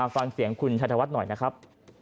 ฟังเสียงคุณชัยธวัฒน์หน่อยนะครับ